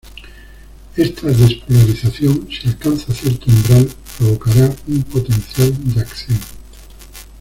Esta despolarización, si alcanza cierto umbral, provocará un potencial de acción.